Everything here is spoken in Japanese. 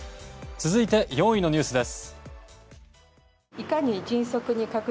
続いて４位のニュースです。